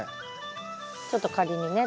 ちょっと仮にね。